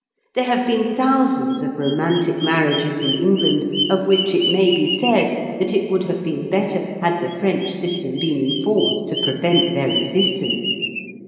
There have been thousands of romantic marriages in England of which it may be said that it would have been better had the French system been in force to prevent their existence.